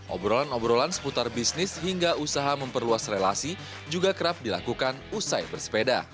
obrolan obrolan seputar bisnis hingga usaha memperluas relasi juga kerap dilakukan usai bersepeda